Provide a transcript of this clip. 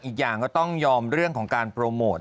อีกอย่างก็ต้องยอมเรื่องของการโปรโมท